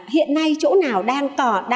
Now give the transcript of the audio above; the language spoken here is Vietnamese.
hiện nay chỗ nào đang